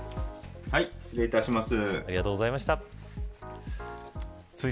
失礼いたします。